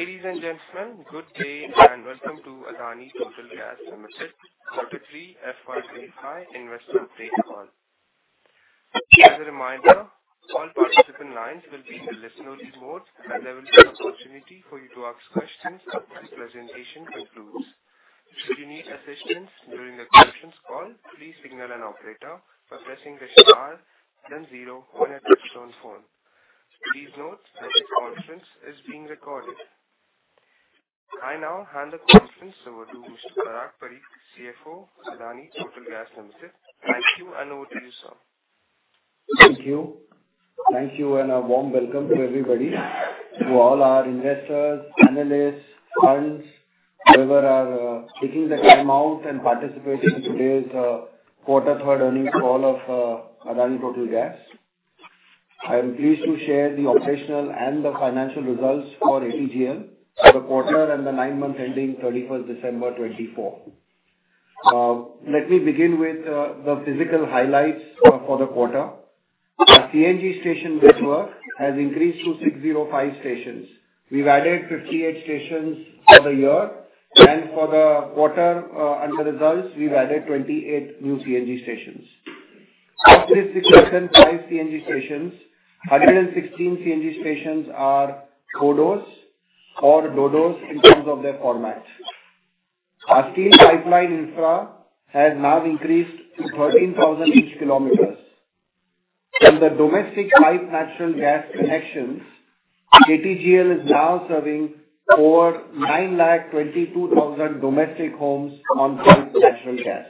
Ladies and gentlemen, good day and welcome to Adani Total Gas Limited Q3 FY25 investment day call. As a reminder, all participant lines will be in the listener's mode and there will be an opportunity for you to ask questions as the presentation concludes. If you need assistance during the conference call, please signal an operator by pressing the star then zero on your touch-tone phone. Please note that this conference is being recorded. I now hand the conference over to Mr. Parag Parikh, CFO, Adani Total Gas Limited. Thank you and over to you, sir. Thank you. Thank you and a warm welcome to everybody, to all our investors, analysts, funds, whoever are taking the time out and participating in today's third quarter earnings call of Adani Total Gas. I am pleased to share the operational and the financial results for ATGL for the quarter and the nine-month ending 31st December 2024. Let me begin with the physical highlights for the quarter. Our CNG station network has increased to 605 stations. We've added 58 stations for the year, and for the quarter-end results, we've added 28 new CNG stations. Of these 605 CNG stations, 116 CNG stations are CODOs or DODOs in terms of their format. Our steel pipeline infra has now increased to 13,000 kilometers. From the domestic pipe natural gas connections, ATGL is now serving over 922,000 domestic homes on pipe natural gas.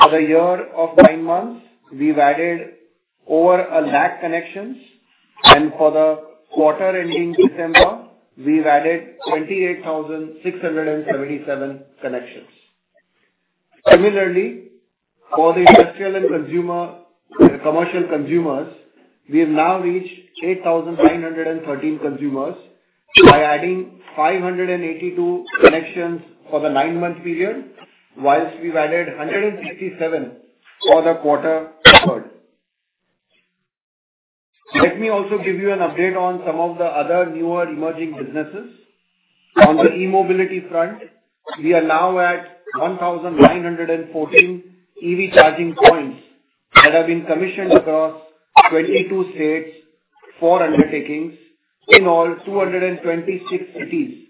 For the year of nine months, we've added over a lakh connections, and for the quarter-ending December, we've added 28,677 connections. Similarly, for the industrial and commercial consumers, we have now reached 8,913 consumers by adding 582 connections for the nine-month period, while we've added 167 for the third quarter. Let me also give you an update on some of the other newer emerging businesses. On the e-mobility front, we are now at 1,914 EV charging points that have been commissioned across 22 states for undertakings in all 226 cities,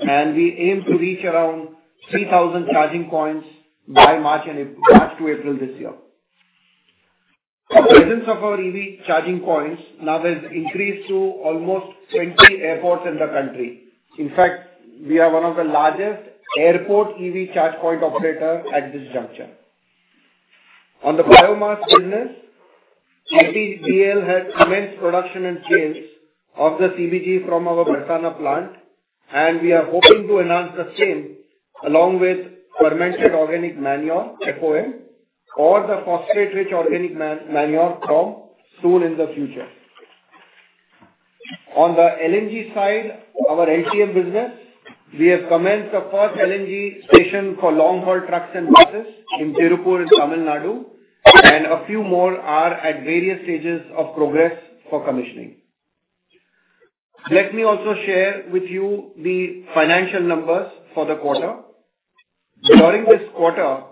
and we aim to reach around 3,000 charging points by March to April this year. The presence of our EV charging points now has increased to almost 20 airports in the country. In fact, we are one of the largest airport EV charge point operators at this juncture. On the biomass business, ATGL has immense production and sales of the CBG from our Barsana plant, and we are hoping to enhance the same along with fermented organic manure, FOM, or the phosphate-rich organic manure PROM in the future. On the LNG side, our LTT business, we have commenced the first LNG station for long-haul trucks and buses in Tiruppur in Tamil Nadu, and a few more are at various stages of progress for commissioning. Let me also share with you the financial numbers for the quarter. During this quarter,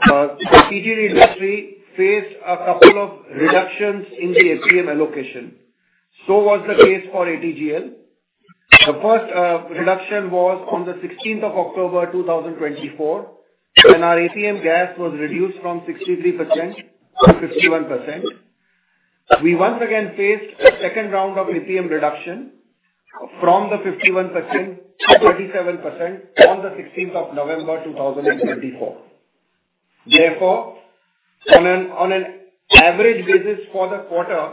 the CGD industry faced a couple of reductions in the ATM allocation. So was the case for ATGL. The first reduction was on the 16th of October 2024, when our ATM gas was reduced from 63% to 51%. We once again faced a second round of ATM reduction from the 51% to 37% on the 16th of November 2024. Therefore, on an average basis for the quarter,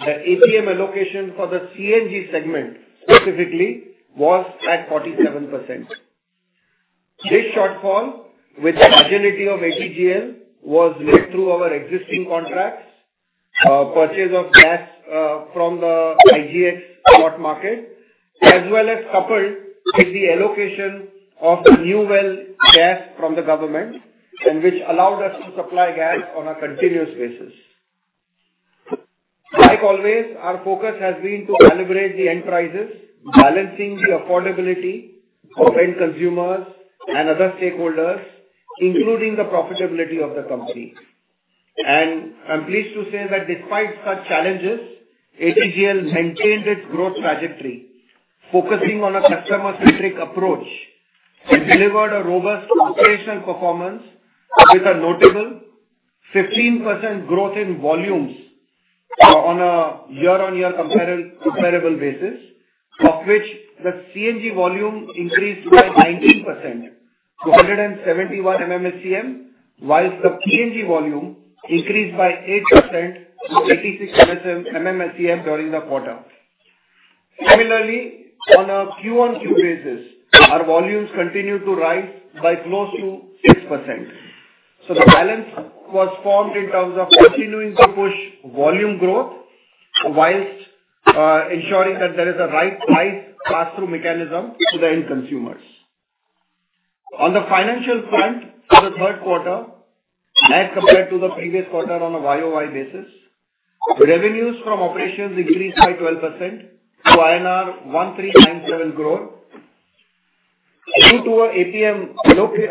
the ATM allocation for the CNG segment specifically was at 47%. This shortfall, with the agility of ATGL, was met through our existing contracts, purchase of gas from the IGX spot market, as well as coupled with the allocation of the new well gas from the government, which allowed us to supply gas on a continuous basis. Like always, our focus has been to calibrate the end prices, balancing the affordability of end consumers and other stakeholders, including the profitability of the company. And I'm pleased to say that despite such challenges, ATGL maintained its growth trajectory, focusing on a customer-centric approach and delivered a robust operational performance with a notable 15% growth in volumes on a year-on-year comparable basis, of which the CNG volume increased by 19% to 171 MMSCM, while the PNG volume increased by 8% to 86 MMSCM during the quarter. Similarly, on a Q on Q basis, our volumes continued to rise by close to 6%. So the balance was formed in terms of continuing to push volume growth, while ensuring that there is a right price pass-through mechanism to the end consumers. On the financial front, for the third quarter, as compared to the previous quarter on a YOY basis, revenues from operations increased by 12% to INR 1,397 crore. Due to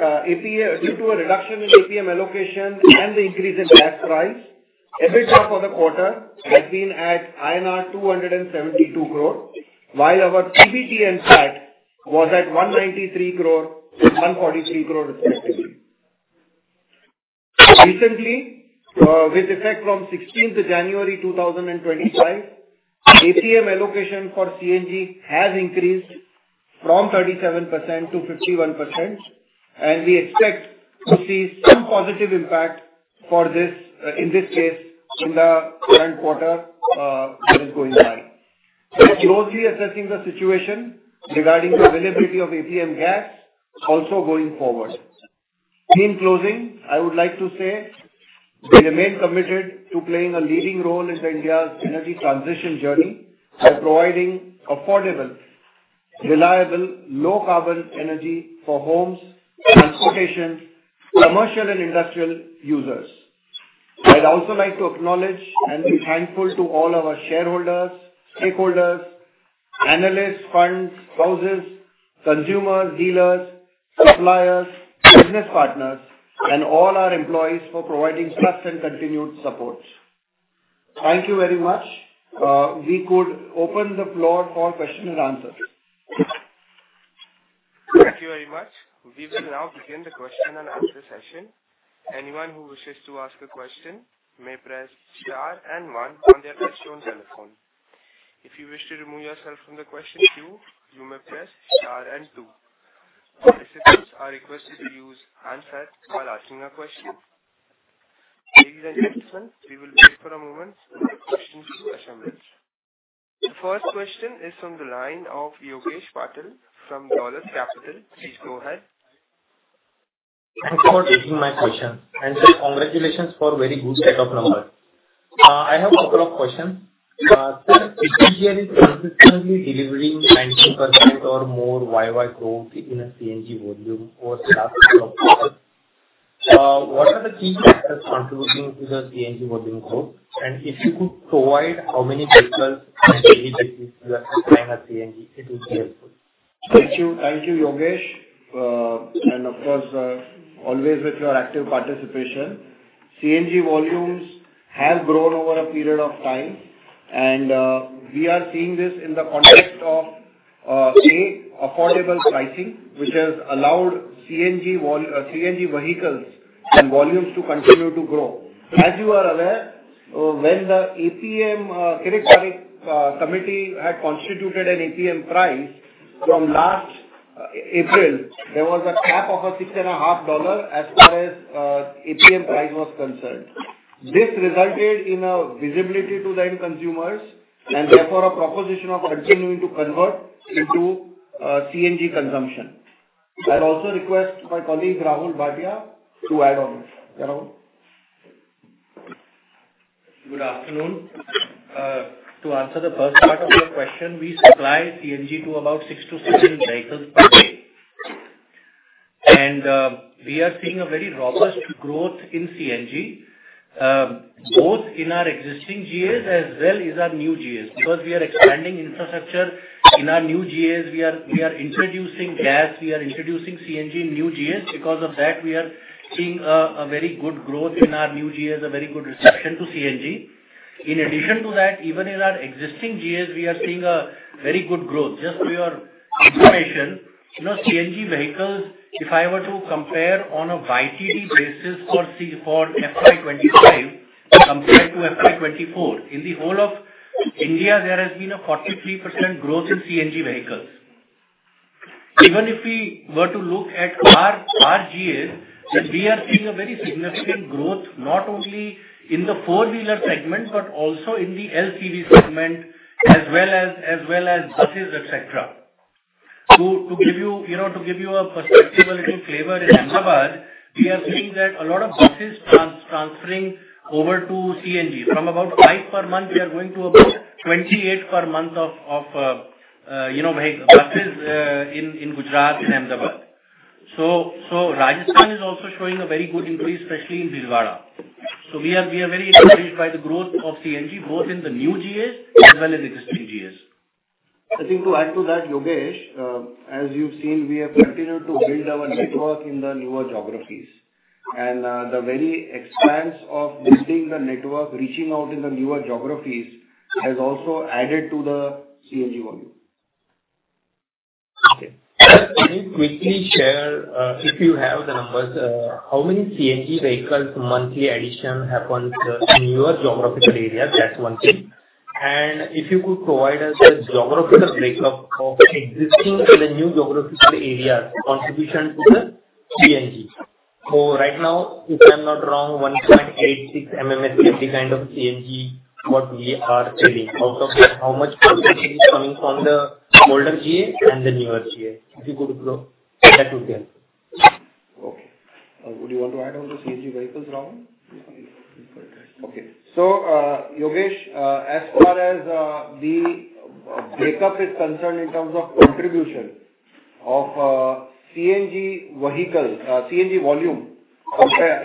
a reduction in ATM allocation and the increase in gas price, EBITDA for the quarter has been at INR 272 crore, while our PBT and PAT was at 193 crore and 143 crore respectively. Recently, with effect from 16th January 2025, ATM allocation for CNG has increased from 37% to 51%, and we expect to see some positive impact in this case in the current quarter that is going by. We are closely assessing the situation regarding the availability of ATM gas also going forward. In closing, I would like to say we remain committed to playing a leading role in India's energy transition journey by providing affordable, reliable, low-carbon energy for homes, transportation, commercial, and industrial users. I'd also like to acknowledge and be thankful to all our shareholders, stakeholders, analysts, funds, houses, consumers, dealers, suppliers, business partners, and all our employees for providing trust and continued support. Thank you very much. We could open the floor for question and answers. Thank you very much. We will now begin the question and answer session. Anyone who wishes to ask a question may press star and one on their touch-tone telephone. If you wish to remove yourself from the question queue, you may press star and two. Participants are requested to use handset while asking a question. Ladies and gentlemen, we will wait for a moment for the question queue to assemble. The first question is from the line of Yogesh Patil from Dolat Capital. Please go ahead. Thanks for taking my question. And, sir, congratulations for a very good set of numbers. I have a couple of questions. Sir, ATGL is consistently delivering 19% or more YOY growth in CNG volume over the last couple of quarters. What are the key factors contributing to the CNG volume growth? And if you could provide how many vehicles and daily basis you are supplying CNG, it would be helpful. Thank you, Yogesh, and of course, always with your active participation, CNG volumes have grown over a period of time, and we are seeing this in the context of affordable pricing, which has allowed CNG vehicles and volumes to continue to grow. As you are aware, when the ATM Committee had constituted an ATM price from last April, there was a cap of $6.5 as far as ATM price was concerned. This resulted in a visibility to the end consumers and therefore a proposition of continuing to convert into CNG consumption. I also request my colleague Rahul Bhatia to add on. Good afternoon. To answer the first part of your question, we supply CNG to about six to seven vehicles per day, and we are seeing a very robust growth in CNG, both in our existing GAs as well as our new GAs. Because we are expanding infrastructure in our new GAs, we are introducing gas, we are introducing CNG in new GAs. Because of that, we are seeing a very good growth in our new GAs, a very good reception to CNG. In addition to that, even in our existing GAs, we are seeing a very good growth. Just for your information, CNG vehicles, if I were to compare on a YTD basis for FY25 compared to FY24, in the whole of India, there has been a 43% growth in CNG vehicles. Even if we were to look at our GAs, we are seeing a very significant growth not only in the four-wheeler segment, but also in the LCV segment as well as buses, etc. To give you a perspective a little flavor in Ahmedabad, we are seeing that a lot of buses transferring over to CNG. From about five per month, we are going to about 28 per month of buses in Gujarat and Ahmedabad. So Rajasthan is also showing a very good increase, especially in Bhilwara. So we are very encouraged by the growth of CNG, both in the new GAs as well as existing GAs. I think to add to that, Yogesh, as you've seen, we have continued to build our network in the newer geographies, and the very expanse of building the network, reaching out in the newer geographies, has also added to the CNG volume. Can you quickly share, if you have the numbers, how many CNG vehicles monthly addition happens in your geographical area? That's one thing. And if you could provide us the geographical breakup of existing and the new geographical areas' contribution to the CNG. So right now, if I'm not wrong, 1.86 MMSCM kind of CNG, what we are selling. Out of that, how much is coming from the older GA and the newer GA? If you could provide that, it would be helpful. Okay. Would you want to add on to CNG vehicles, Rahul? Okay. So Yogesh, as far as the breakup is concerned in terms of contribution of CNG volume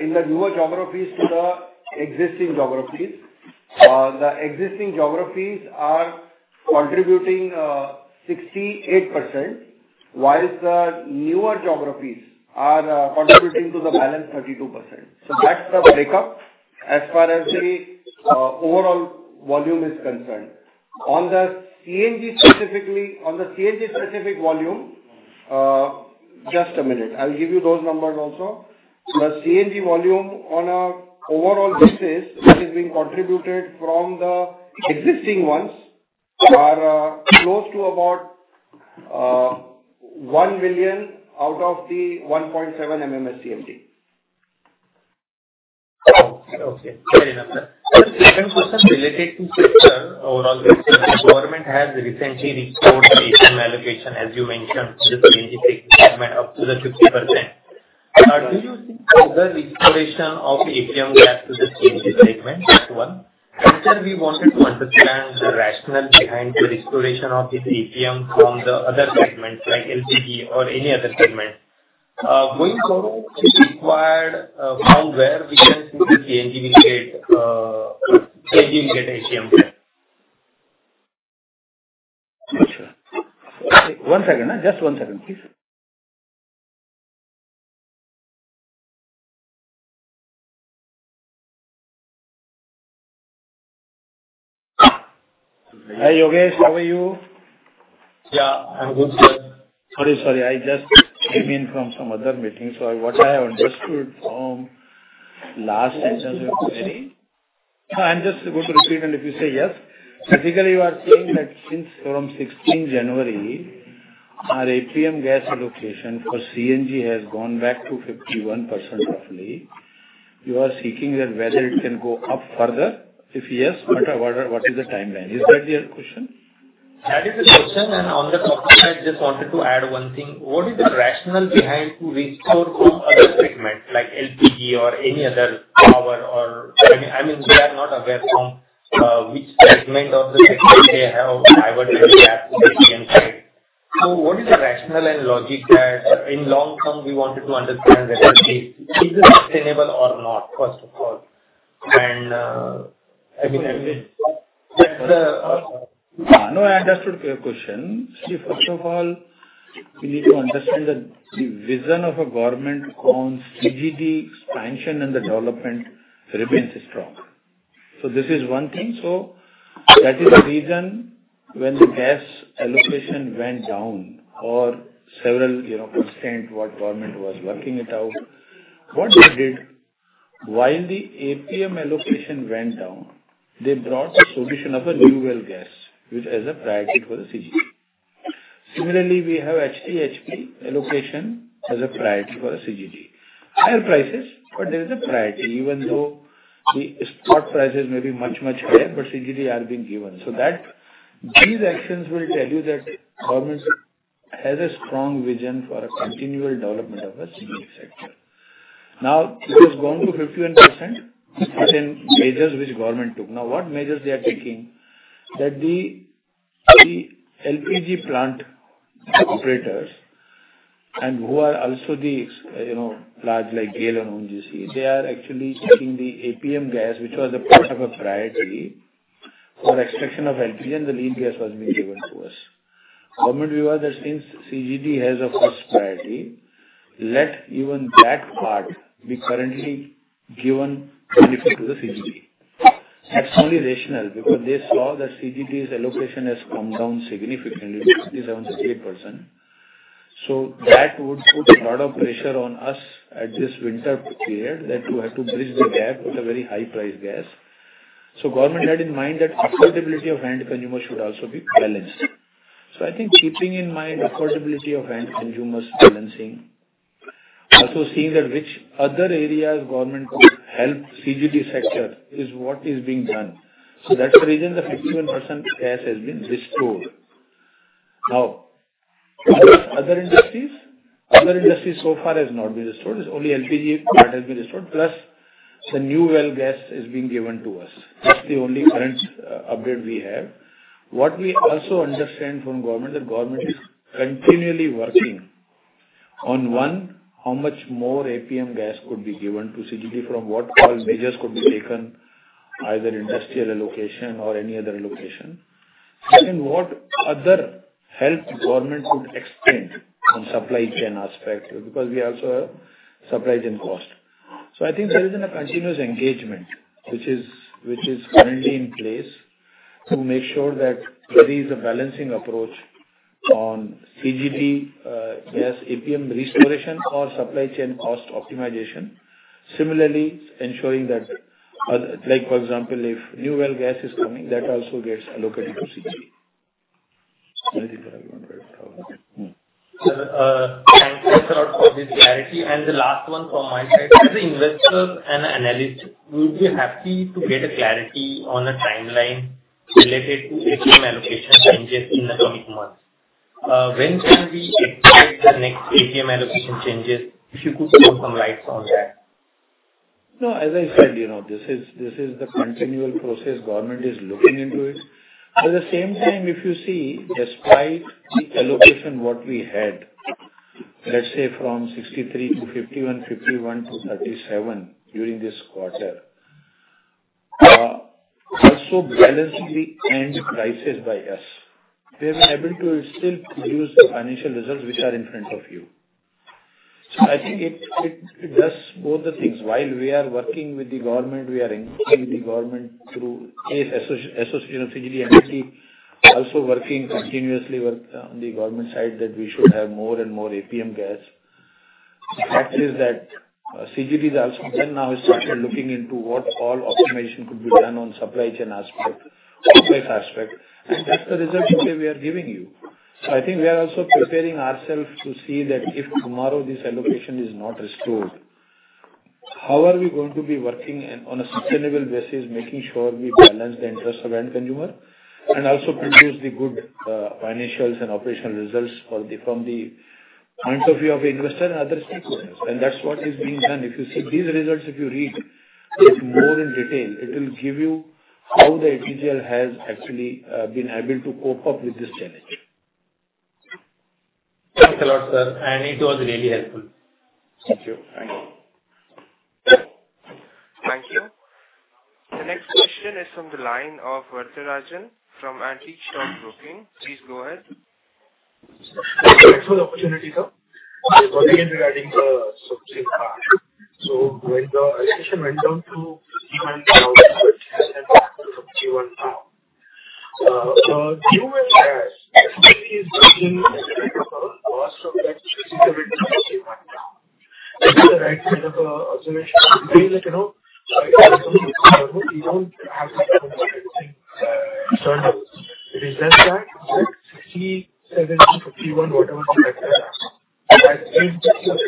in the newer geographies to the existing geographies, the existing geographies are contributing 68%, whilst the newer geographies are contributing to the balance 32%. So that's the breakup as far as the overall volume is concerned. On the CNG specific volume, just a minute. I'll give you those numbers also. The CNG volume on an overall basis that is being contributed from the existing ones are close to about 1 million out of the 1.7 MMSCM. Okay. Fair enough. Second question related to, sir, overall, the government has recently increased allocation, as you mentioned, to the CNG segment up to 50%. Do you think the allocation of ATM gas to the CNG segment? That's one. And, sir, we wanted to understand the rationale behind the allocation of this ATM from the other segments like LTT or any other segments. Going forward, if required, from where we can see the CNG will get ATM gas? One second. Just one second, please. Hi, Yogesh. How are you? Yeah, I'm good, sir. Sorry, sorry. I just came in from some other meeting. So what I have understood from last session's query, I'm just going to repeat and if you say yes. Basically, you are saying that since from 16th January, our ATM gas allocation for CNG has gone back to 51% roughly. You are seeking that whether it can go up further. If yes, what is the timeline? Is that your question? That is the question. And on the top of that, I just wanted to add one thing. What is the rationale behind restoring from other segments like LTT or any other power? I mean, we are not aware from which segment or the segment they have diverted gas to ATM side. So what is the rationale and logic that in long term, we wanted to understand that is it sustainable or not, first of all? And I mean. No, I understood your question. See, first of all, we need to understand that the vision of a government on CGD expansion and the development remains strong. So this is one thing. So that is the reason when the gas allocation went down or several constraints what government was working it out. What they did, while the ATM allocation went down, they brought a solution of a new well gas, which has a priority for the CGD. Similarly, we have HPHT allocation as a priority for the CGD. Higher prices, but there is a priority, even though the spot prices may be much, much higher, but CGD are being given. So these actions will tell you that government has a strong vision for a continual development of the CGD sector. Now, it has gone to 51%. Certain measures which government took. Now, what measures they are taking? That the LPG plant operators, and who are also the large like GAIL and ONGC, they are actually taking the ATM gas, which was a part of a priority for extraction of LPG, and the LPG gas was being given to us. Government view was that since CGD has a first priority, let even that part be currently given benefit to the CGD. That's only rational because they saw that CGD's allocation has come down significantly to 57%, 68%. So that would put a lot of pressure on us at this winter period that we have to bridge the gap with a very high-priced gas. So government had in mind that affordability of end consumers should also be balanced. So I think keeping in mind affordability of end consumers balancing, also seeing that which other areas government could help CGD sector is what is being done. That's the reason the 51% gas has been restored. Now, other industries so far have not been restored. It's only LPG that has been restored, plus the new well gas is being given to us. That's the only current update we have. What we also understand from government is that government is continually working on one, how much more ATM gas could be given to CGD from what all measures could be taken, either industrial allocation or any other allocation. Second, what other help government could extend on supply chain aspect because we also have supply chain cost. I think there is a continuous engagement which is currently in place to make sure that there is a balancing approach on CGD gas, ATM restoration or supply chain cost optimization. Similarly, ensuring that, for example, if new well gas is coming, that also gets allocated to CGD. Thank you, sir, for this clarity. The last one from my side as an investor and analyst, we would be happy to get clarity on a timeline related to ATM allocation changes in the coming months. When can we expect the next ATM allocation changes? If you could shine some light on that. No, as I said, this is the continual process government is looking into it. At the same time, if you see, despite the allocation what we had, let's say from 63 to 51, 51 to 37 during this quarter, also balancing the end prices by us, we have been able to still produce the financial results which are in front of you. So I think it does both the things. While we are working with the government, we are engaging with the government through the Association of CGD Entity, also working continuously on the government side that we should have more and more ATM gas. The fact is that CGD now has started looking into what all optimization could be done on supply chain aspect, complex aspect. And that's the result today we are giving you. So I think we are also preparing ourselves to see that if tomorrow this allocation is not restored, how are we going to be working on a sustainable basis, making sure we balance the interest of end consumer and also produce the good financials and operational results from the point of view of investor and other stakeholders. And that's what is being done. If you see these results, if you read more in detail, it will give you how the LTT has actually been able to cope up with this challenge. Thanks a lot, sir, and it was really helpful. Thank you. Thank you. Thank you. The next question is from the line of Varatharajan from Antique Stock Broking. Please go ahead. Thanks for the opportunity, sir. Once again regarding the subsidy path. So when the allocation went down to 51,000, it has been back to 51,000. New well gas definitely is dropping the cost of that subsidy by 51,000. This is the right side of the observation. You feel like you don't have to think external. It is less than 67 to 51, whatever the factor is, that is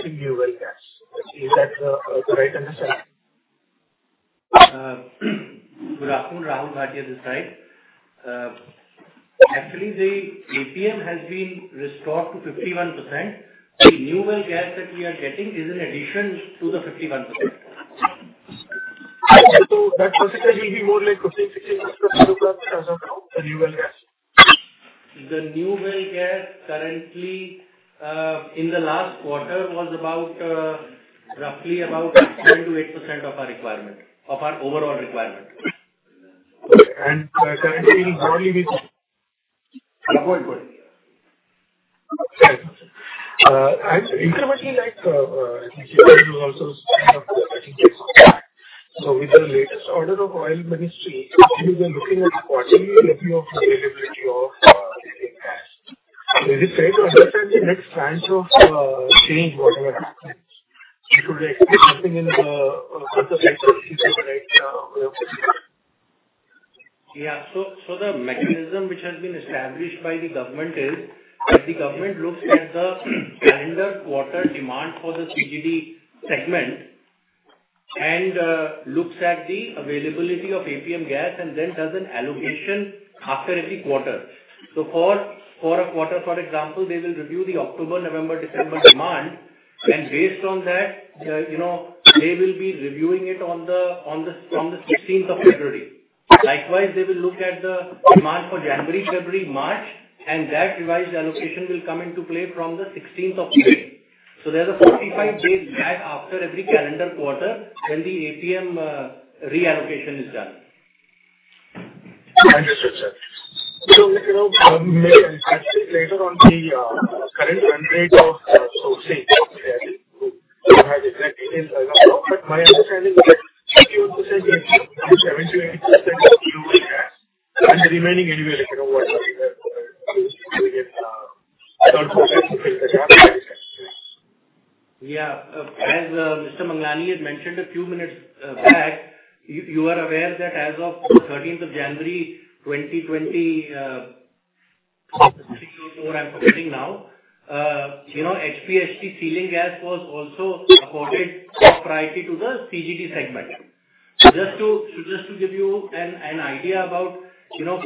the new well gas. Is that the right understanding? Good afternoon, Rahul Bhatia this side. Actually, the ATM has been restored to 51%. The new well gas that we are getting is in addition to the 51%. So that percentage will be more like 15%-16% of the new well gas? The New Well Gas currently in the last quarter was roughly about 7%-8% of our requirement, of our overall requirement. Okay. And currently broadly with. Go ahead, go ahead. Incrementally, like I think you said, it was also of the case of that. So with the latest order of oil ministry, we were looking at the quarterly review of the availability of ATM gas. Is it fair to understand the next tranche of change whatever happens? We should expect something in the quarter cycle if it's the right way of looking at it. Yeah. So the mechanism which has been established by the government is that the government looks at the calendar quarter demand for the CGD segment and looks at the availability of ATM gas and then does an allocation after every quarter. So for a quarter, for example, they will review the October, November, December demand. And based on that, they will be reviewing it from the 16th of February. Likewise, they will look at the demand for January, February, March, and that revised allocation will come into play from the 16th of February. So there's a 45-day gap after every calendar quarter when the ATM reallocation is done. Understood, sir. So let me make a question later on the current run rate of subsidy that you have exactly in the account. But my understanding is that you want to say 70%-80% of new well gas and the remaining anyway, whatever we get third quarter to fill the gap. Yeah. As Mr. Manglani had mentioned a few minutes back, you are aware that as of the 13th of January, 2020, I'm forgetting now, HPHT gas was also afforded top priority to the CGD segment. So just to give you an idea about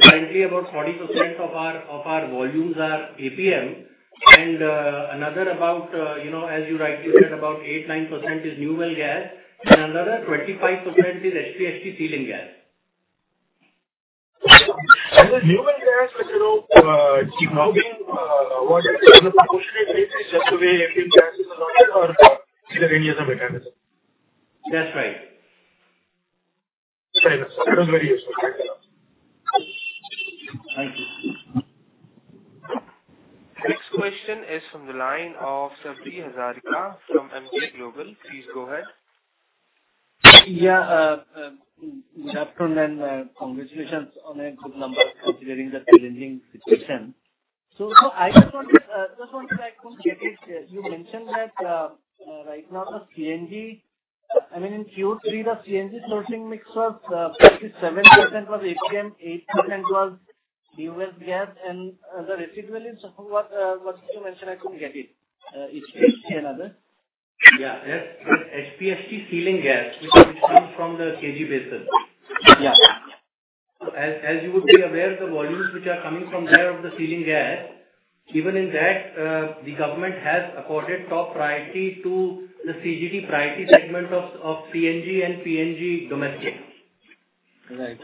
currently about 40% of our volumes are ATM and another about, as you rightly said, about 8%-9% is new well gas and another 25% is HPHT gas. The new well gas is now being awarded on a proportionate basis just the way ATM gas is allotted or is there any other mechanism? That's right. Fair enough. That was very useful. Thank you sir. Thank you. Next question is from the line of Sabri Hazarika from Emkay Global Financial Services. Please go ahead. Yeah. Good afternoon and congratulations on a good number considering the challenging situation. So I just wanted to get it. You mentioned that right now the CNG, I mean, in Q3, the CNG sourcing mix was 57% was ATM, 8% was new well gas, and the residual is what you mentioned. I couldn't get it. It's another. Yeah. That's HPHT ceiling gas, which comes from the KG Basin. Yeah. As you would be aware, the volumes which are coming from there of the ceiling gas, even in that, the government has afforded top priority to the CGD priority segment of CNG and PNG domestic.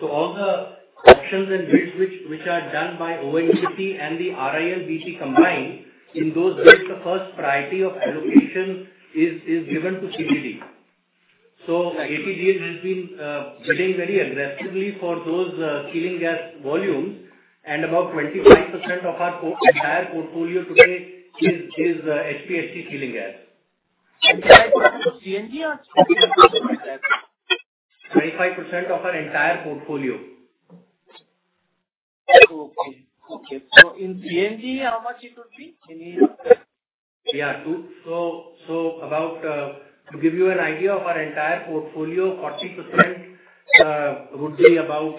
So all the auctions and bids which are done by ONGC and the RIL-BP combined, in those bids, the first priority of allocation is given to CGD. So ATG has been bidding very aggressively for those ceiling gas volumes, and about 25% of our entire portfolio today is HPHT ceiling gas. 25% of CNG or 25% of the new well gas? 25% of our entire portfolio. Okay. So in CNG, how much it would be? Any? Yeah. So to give you an idea of our entire portfolio, 40% would be about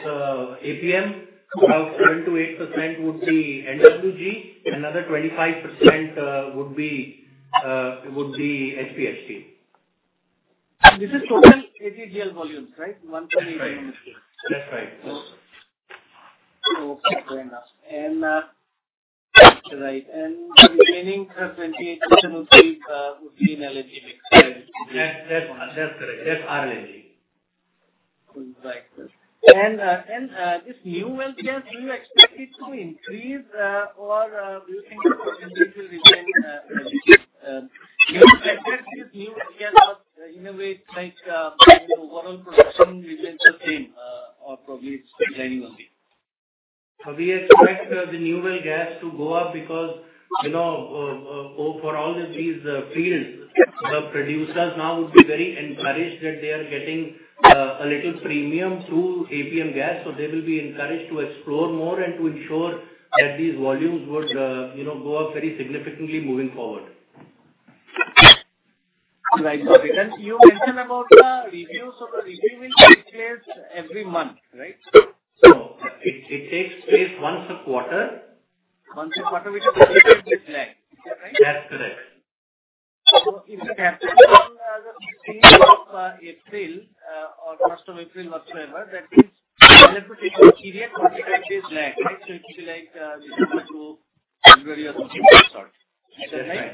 ATM, about 7%-8% would be NWG, another 25% would be HPHT. This is total ATGL volumes, right? One to eight volumes. That's right. Okay. Fair enough. And the remaining 28% would be in LNG mix. That's correct. That's RLNG. Right. And this new well gas, do you expect it to increase or do you think it will remain? You expect this new well gas to innovate like overall production remains the same or probably it's declining only? We expect the new well gas to go up because for all these fields, the producers now would be very encouraged that they are getting a little premium through ATM gas. They will be encouraged to explore more and to ensure that these volumes would go up very significantly moving forward. Right. You mentioned about the reviews. So the review will take place every month, right? So it takes place once a quarter. Once a quarter, which is a little bit lag, right? That's correct. So if it happens on the 16th of April or 1st of April, whatsoever, that means the allocation period is 45 days lag, right? So it would be like December to February or something of that sort, is that right?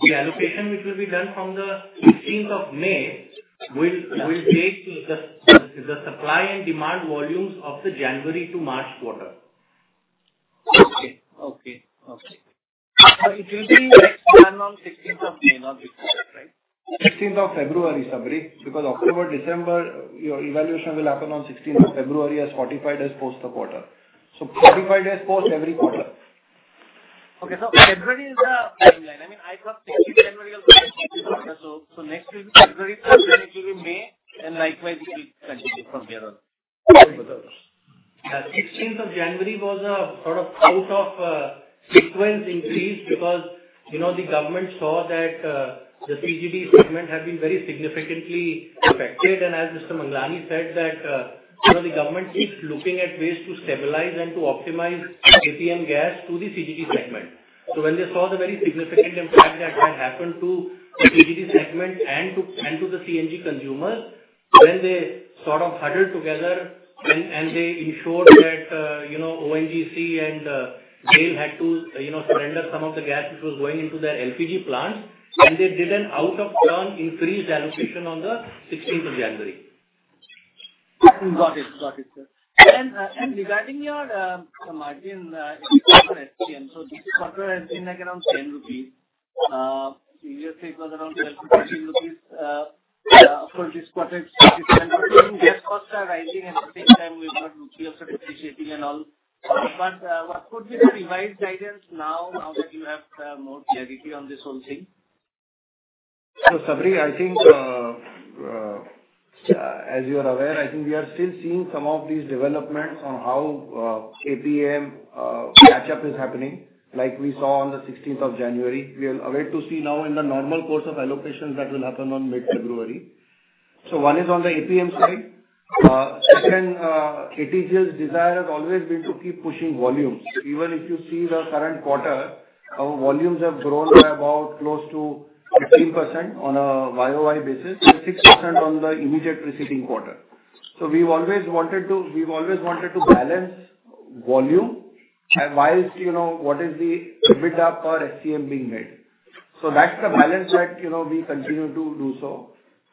The allocation which will be done from the 16th of May will dictate the supply and demand volumes of the January to March quarter. Okay. So it will be expanded on 16th of May, not this quarter, right? 16th of February, Sabri, because October, December, your evaluation will happen on 16th of February as 45 days post the quarter. So 45 days post every quarter. Okay. So February is the timeline. I mean, I thought 16th of January was the 16th quarter. So next will be February 1st, then it will be May, and likewise, it will continue from here on. Yeah. 16th of January was a sort of out-of-sequence increase because the government saw that the CGD segment had been very significantly affected. And as Mr. Manglani said, that the government keeps looking at ways to stabilize and to optimize ATM gas to the CGD segment. So when they saw the very significant impact that had happened to the CGD segment and to the CNG consumers, then they sort of huddled together and they ensured that ONGC and GAIL had to surrender some of the gas which was going into their LPG plants. And they did an out-of-turn increased allocation on the 16th of January. Got it. Got it, sir. And regarding your margin for SPM, so this quarter has been around 10 rupees. You said it was around 12-13 rupees for this quarter. So these transportation gas costs are rising at the same time we've got nodal certification and all. But what could be the revised guidance now that you have more clarity on this whole thing? So Sabri, I think as you are aware, I think we are still seeing some of these developments on how ATM match-up is happening, like we saw on the 16th of January. We are awaiting to see now in the normal course of allocations that will happen on mid-February. So one is on the ATM side. Second, ATGL's desire has always been to keep pushing volumes. Even if you see the current quarter, our volumes have grown by about close to 15% on a YOY basis and 6% on the immediate preceding quarter. So we've always wanted to balance volume whilst what is the bid up or SCM being made. So that's the balance that we continue to do so.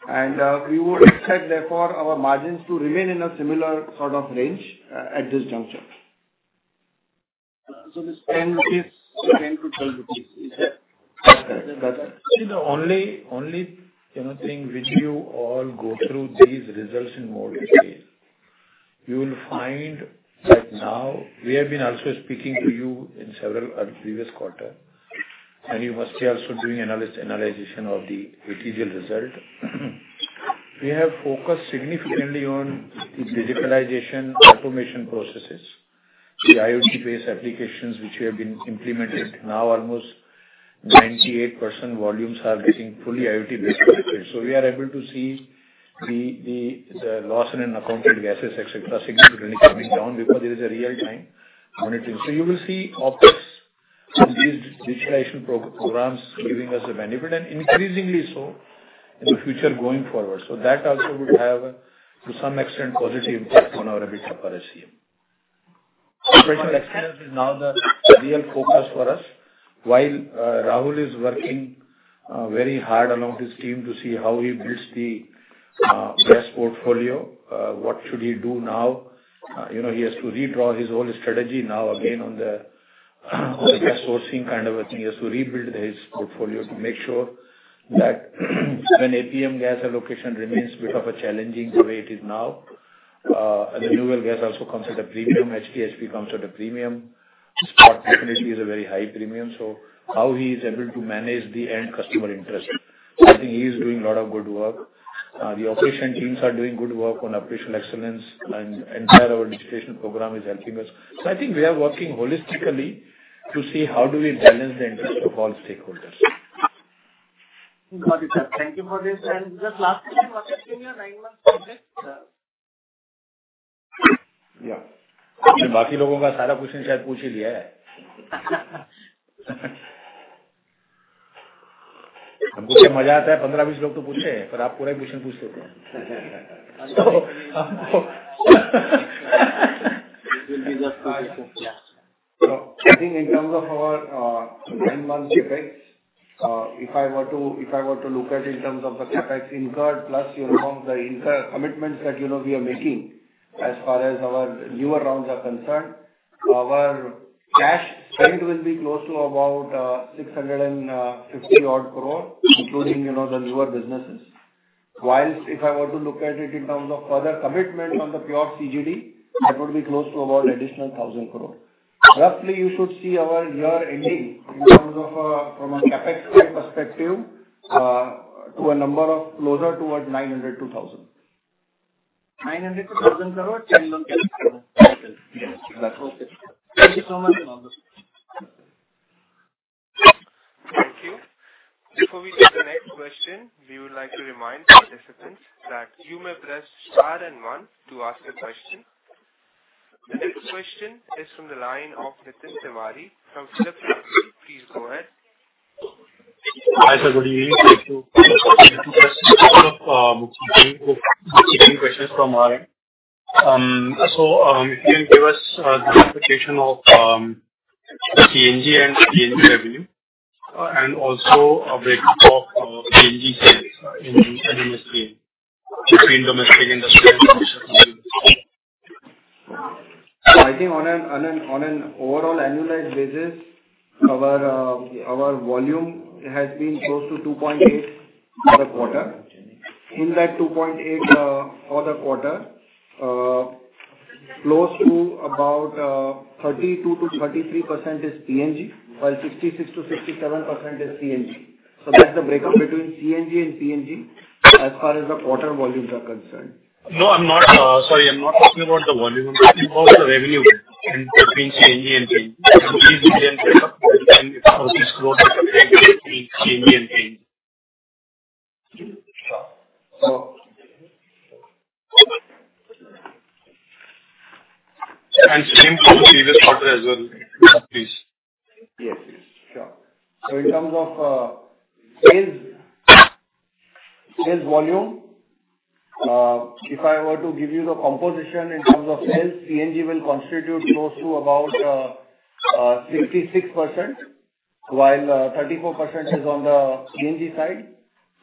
And we would expect, therefore, our margins to remain in a similar sort of range at this juncture. So this 10-12 rupees, is that correct? That's correct. See, the only thing when you all go through these results in more detail, you will find that now we have been also speaking to you in several previous quarters, and you must be also doing analysis of the ATGL result. We have focused significantly on the digitalization automation processes, the IoT-based applications which we have been implemented. Now almost 98% volumes are getting fully IoT-based. So we are able to see the loss in accounted gases, etc., significantly coming down because it is a real-time monitoring. So you will see optics on these digitalization programs giving us a benefit and increasingly so in the future going forward. So that also would have to some extent positive impact on our EBITDA per SCM. Operational expenditure is now the real focus for us. While Rahul is working very hard along with his team to see how he builds the gas portfolio, what should he do now? He has to redraw his whole strategy now again on the gas sourcing kind of a thing. He has to rebuild his portfolio to make sure that when ATM gas allocation remains a bit of a challenging the way it is now, and the new well gas also comes at a premium, HPHT comes at a premium. Spot definitely is a very high premium. So how he is able to manage the end customer interest, I think he is doing a lot of good work. The operation teams are doing good work on operational excellence, and entire our digitalization program is helping us. So I think we are working holistically to see how do we balance the interest of all stakeholders. Got it, sir. Thank you for this. And just last question, what has been your nine-month project? Yeah. I mean, बाकी लोगों का सारा question शायद पूछ ही लिया है। हमको क्या मजा आता है, 15-20 लोग तो पूछते हैं, पर आप पूरा ही क्वेश्चन पूछते थे। I think in terms of our nine-month capex, if I were to look at it in terms of the capex incurred plus the commitments that we are making as far as our newer rounds are concerned, our cash spend will be close to about 650-odd crore, including the newer businesses. While if I were to look at it in terms of further commitment on the pure CGD, that would be close to about an additional 1,000 crore. Roughly, you should see our year ending in terms of from a CapEx perspective to a number closer towards INR 900-1,000 crore. ₹900-1,000 crore or $10 million? Yes. Thank you so much for all the questions. Thank you. Before we take the next question, we would like to remind participants that you may press star and one to ask a question. The next question is from the line of Nitin Tiwari from PhillipCapital. Please go ahead. Hi sir, good evening. Thank you for the opportunity to ask a few questions from our end. So if you can give us the classification of PNG and CNG revenue and also a breakdown of CNG sales in MMSCM, between domestic and the CNG consumers? So I think on an overall annualized basis, our volume has been close to 2.8 for the quarter. In that 2.8 for the quarter, close to about 32%-33% is PNG, while 66%-67% is CNG. So that's the breakup between CNG and PNG as far as the quarter volumes are concerned. No, I'm not sorry. I'm not talking about the volume. I'm talking about the revenue between CNG and PNG. And please again break down and explain this growth between CNG and PNG. And same for the previous quarter as well, please. Yes. Sure. So in terms of sales volume, if I were to give you the composition in terms of sales, CNG will constitute close to about 66%, while 34% is on the CNG side.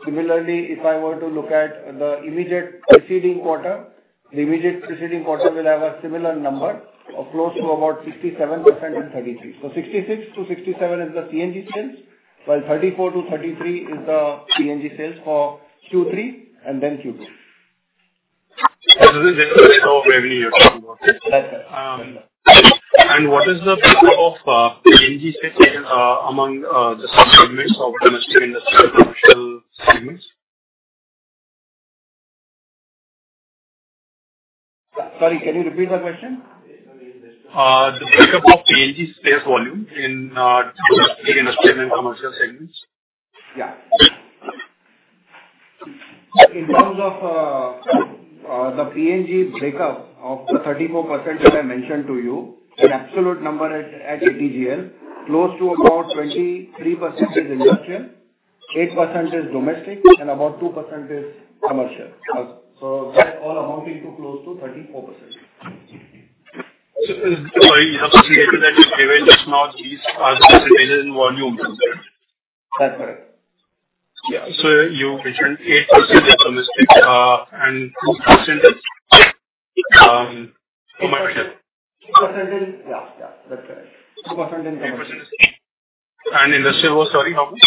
Similarly, if I were to look at the immediate preceding quarter, the immediate preceding quarter will have a similar number of close to about 67% and 33%. So 66%-67% is the CNG sales, while 34%-33% is the PNG sales for Q3 and then Q2. So this is the general revenue you're talking about? That's correct. What is the breakup of PNG sales among the subsegments of domestic and industrial commercial segments? Sorry, can you repeat the question? The break-up of PNG sales volume in domestic and industrial and commercial segments? Yeah. In terms of the PNG breakup of the 34% that I mentioned to you, the absolute number at ATGL, close to about 23% is industrial, 8% is domestic, and about 2% is commercial. So that's all amounting to close to 34%. So, sorry, you have to say that you gave it as not these are the percentages in volume concerned? That's correct. Yeah. So you mentioned 8% is domestic and 2% is commercial. 2% in yeah, yeah. That's correct. 2% in commercial. Industrial was, sorry, how much?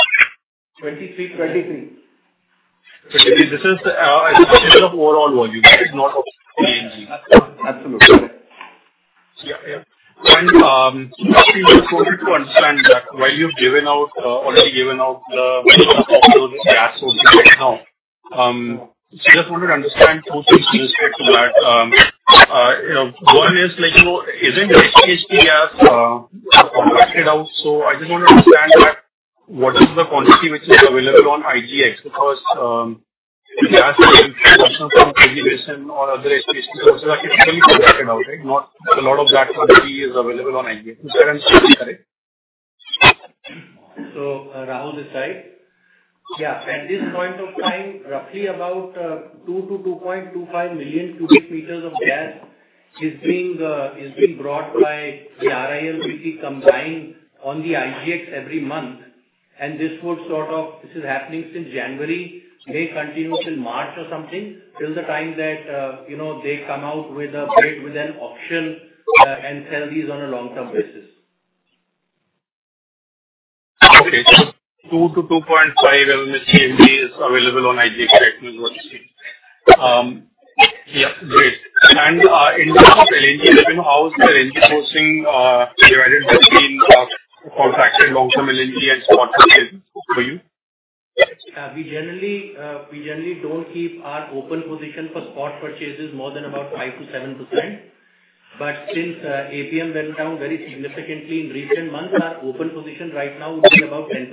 23, 23. 23. This is the percentage of overall volume. This is not of PNG. Absolutely. Yeah. And just to understand that, while you've already given out the gas sourcing right now, I just wanted to understand two things related to that. One is, isn't HPHT gas allocated out? So I just want to understand that what is the quantity which is available on IGX because gas from national fuel regulation or other HPHT sources are typically allocated out, right? Not a lot of that quantity is available on IGX. Is that understanding correct? So Rahul decides. Yeah. At this point of time, roughly about 2-2.25 million cubic meters of gas is being brought by the RIL, which we combine on the IGX every month, and this would sort of this is happening since January. May continue till March or something till the time that they come out with a bid with an auction and sell these on a long-term basis. Okay, so 2-2.5 million CNG is available on IGX right now is what you see. Yeah. Great, and in terms of LNG revenue, how is the LNG sourcing divided between contracted long-term LNG and spot purchases for you? We generally don't keep our open position for spot purchases more than about 5%-7%. But since APM went down very significantly in recent months, our open position right now would be about 10%.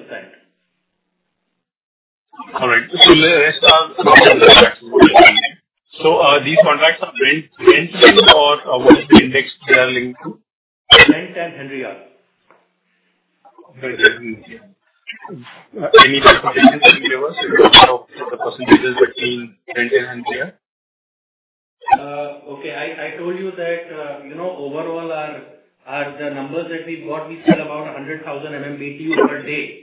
All right. So let's start. So these contracts are Brent and what is the index they are linked to? Brent and Henry Hub. Any representation can you give us of the percentages between Brent and Henry Hub? Okay. I told you that overall, the numbers that we got, we sell about 100,000 MMBtu per day.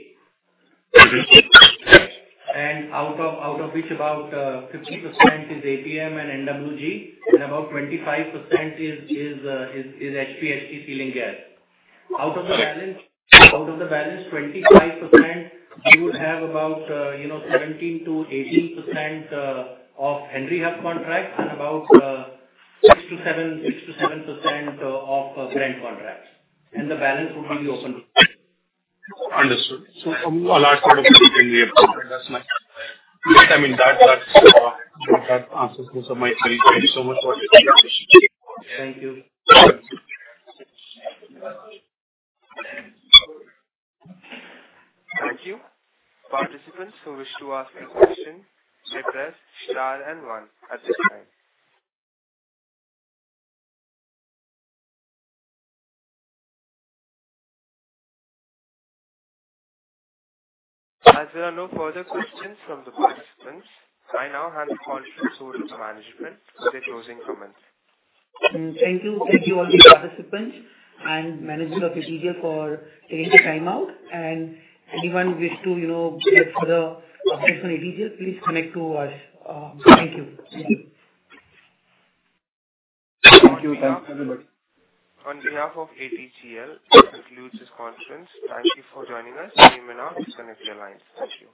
And out of which about 50% is APM and NWG, and about 25% is HPHT gas. Out of the balance, 25%, you would have about 17%-18% of Henry Hub contracts and about 6%-7% of Brent contracts. And the balance would be the open position. Understood. So I'll ask for the question in the report. That's my question. I mean, that answers most of my queries. Thank you so much for your participation. Thank you. Thank you. Participants who wish to ask a question may press star and one at this time. As there are no further questions from the participants, I now hand the call to the Senior Management for their closing comments. Thank you. Thank you all the participants and managers of ATGL for taking the time out. And anyone wish to get further updates on ATGL, please connect to us. Thank you. Thank you. Thanks, everybody. On behalf of ATGL, this concludes this conference. Thank you for joining us. You may now disconnect your lines. Thank you.